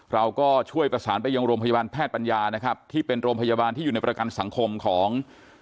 เราก็ช่วยประสานไปยังโรงพยาบาลแพทย์ปัญญานะครับที่เป็นโรงพยาบาลที่อยู่ในประกันสังคมของ